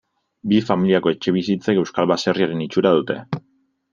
Bi familiako etxebizitzek euskal baserriaren itxura dute.